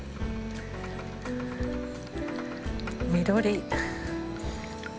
緑。